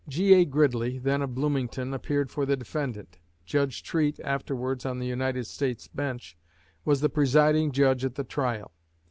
G.A. Gridley, then of Bloomington, appeared for the defendant. Judge Treat, afterwards on the United States bench, was the presiding judge at the trial.